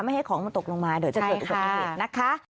ให้ของมันตกลงมาเดี๋ยวจะเกิดอุบัติเหตุนะคะ